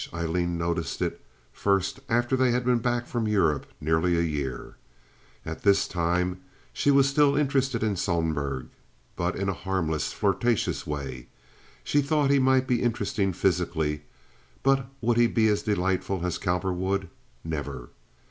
Aileen noticed it first after they had been back from Europe nearly a year. At this time she was still interested in Sohlberg, but in a harmlessly flirtatious way. She thought he might be interesting physically, but would he be as delightful as Cowperwood? Never!